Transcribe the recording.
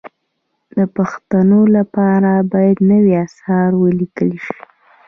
د پښتو لپاره باید نوي اثار ولیکل شي.